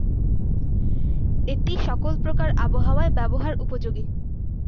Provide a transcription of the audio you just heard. এটি সকল প্রকার আবহাওয়ায় ব্যবহার উপযোগী।